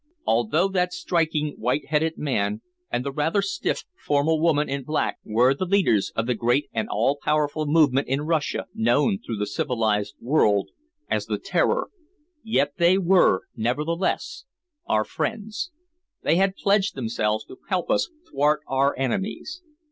Although that striking, white headed man and the rather stiff, formal woman in black were the leaders of the great and all powerful movement in Russia known through the civilized world as "The Terror," yet they were nevertheless our friends. They had pledged themselves to help us thwart our enemies.